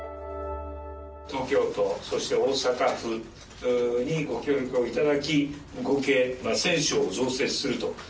東京都、そして大阪府にご協力をいただき、合計１０００床を増設すると。